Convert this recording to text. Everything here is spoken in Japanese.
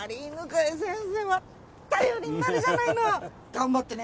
頑張ってね。